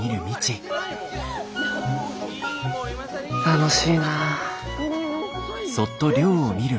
楽しいな。